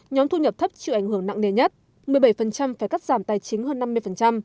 nhóm thu nhập thấp chịu ảnh hưởng nặng nề nhất một mươi bảy phải cắt giảm tài chính hơn năm mươi